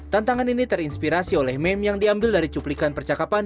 tantangan ini terinspirasi oleh meme yang diambil dari cuplikan percakapan